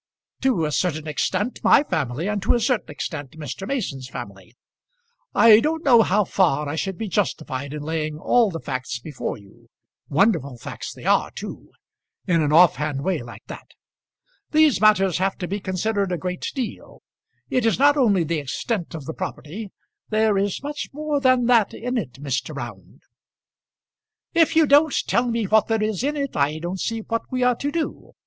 "To a certain extent my family, and to a certain extent Mr. Mason's family. I don't know how far I should be justified in laying all the facts before you wonderful facts they are too in an off hand way like that. These matters have to be considered a great deal. It is not only the extent of the property. There is much more than that in it, Mr. Round." "If you don't tell me what there is in it, I don't see what we are to do.